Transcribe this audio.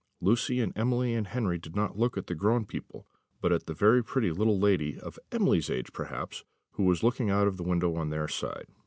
Lucy and Emily and Henry did not look at the grown people, but at a very pretty little lady, of Emily's age perhaps, who was looking out of the window on their side.